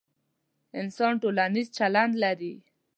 انسانان ټولنیز چلند لري،